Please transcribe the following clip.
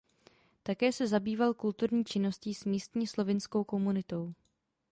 Také se zabýval kulturní činností s místní slovinskou komunitou.